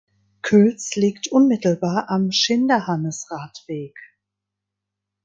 Külz liegt unmittelbar am Schinderhannes-Radweg.